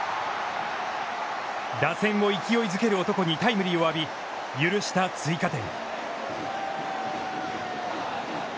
打線を勢いづける男にタイムリーを浴び、許した追加点。